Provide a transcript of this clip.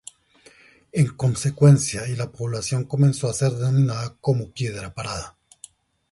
En consecuencia, y la población comenzó a ser denominaba como "Piedra Parada".